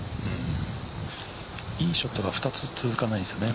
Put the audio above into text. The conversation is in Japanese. いいショットが２つ続かないですよね。